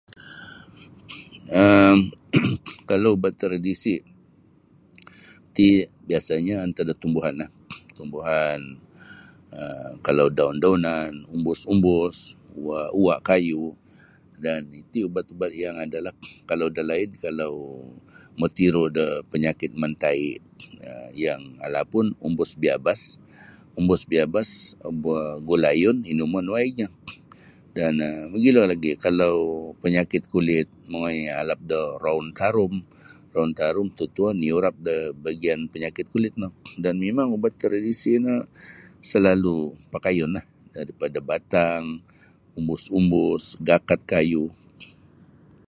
um Kalau ubat tradisi ti biasanyo antad da tumbuhan tumbuhan um kalau daun-daunan umbus-imbus uwa-uwa' kayu dan iti ubat-ubat yang adalah. Kalau dalaid kalau matiro' da panyakit mantayi' yang alapun umbus biabas umbus biabas gulayun inuman waignyo dan mogilo lagi kalau panyakit kulit mongoi alap da roun tarum roun tarum tutuon iurap da bahagian panyakit kulit no dan mimang ubat tradisi no selalu pakayunlah daripada batang-batang umbus-umbus gakat kayu.